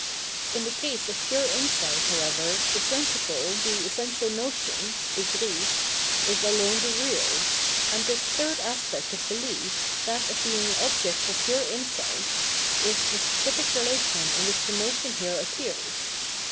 In the case of pure insight, however, the principle, the essential notion (Begriff), is alone the real ; and this third aspect of behef — that of being an object for pure insight — ^is the specific relation in which the notion here appears.